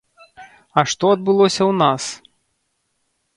А што адбылося ў нас?